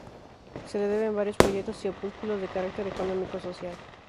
Se le deben varios folletos y opúsculos de carácter económico social.